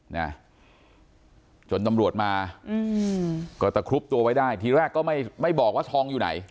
นะจนตำรวจมาอืมก็ตะครุบตัวไว้ได้ทีแรกก็ไม่ไม่บอกว่าทองอยู่ไหน